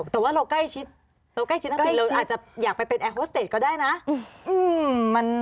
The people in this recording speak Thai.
แต่ว่าเราใกล้ชิดเราใกล้ชิดนักเตะเราอาจจะอยากไปเป็นแอร์โฮสเตจก็ได้นะ